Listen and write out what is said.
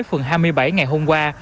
phường hai mươi bảy ngày hôm qua